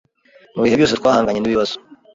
mu bihe byose twahanganye n’ibibazo